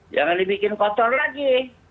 jangan dibikin kotor lagi